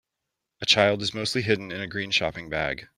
A child is mostly hidden in a green shopping bag.